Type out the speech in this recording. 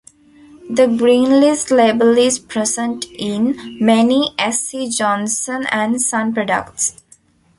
The Greenlist label is present in many S. C. Johnson and Son products.